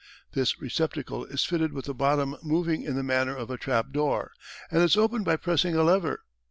This receptacle is fitted with a bottom moving in the manner of a trap door, and is opened by pressing a lever.